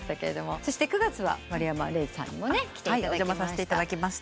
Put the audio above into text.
そして９月は丸山礼さんにも来ていただきました。